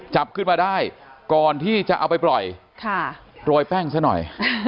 จับขึ้นมาได้ก่อนที่จะเอาไปปล่อยโรยแป้งซะหน่อย